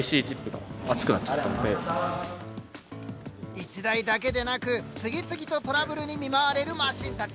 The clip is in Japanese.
１台だけでなく次々とトラブルに見舞われるマシンたち。